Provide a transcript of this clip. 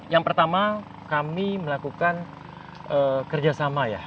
yang pertama kami melakukan kerjasama ya